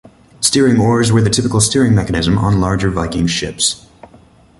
Steering oars were the typical steering mechanism on larger Viking ships.